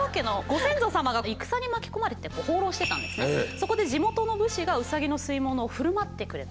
そこで地元の武士がウサギの吸い物を振る舞ってくれた。